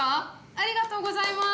ありがとうございます。